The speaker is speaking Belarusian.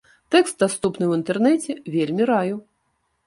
Тэкст даступны ў інтэрнэце, вельмі раю.